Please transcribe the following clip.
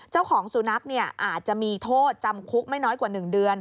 เจ้าของสุนัขอาจจะมีโทษจำคุกไม่น้อยกว่า๑เดือน